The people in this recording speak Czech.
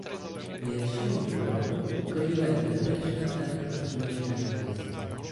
Většinu povrchu pokrývají jehličnaté a smíšené lesy.